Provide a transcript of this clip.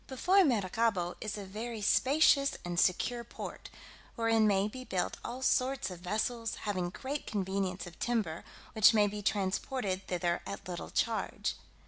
Before Maracaibo is a very spacious and secure port, wherein may be built all sorts of vessels, having great convenience of timber, which may be transported thither at little charge.